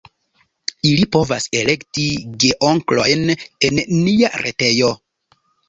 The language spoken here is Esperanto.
Ili povas elekti "geonklojn" en nia retejo.